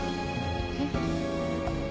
えっ？